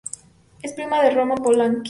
Es prima de Roman Polanski.